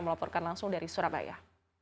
melaporkan langsung dari surabaya